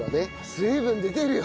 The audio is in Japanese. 水分出てるよ。